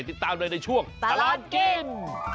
ติดตามเลยในช่วงตลอดกิน